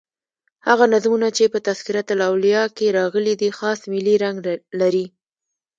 هغه نظمونه چي په "تذکرةالاولیاء" کښي راغلي دي خاص ملي رنګ لري.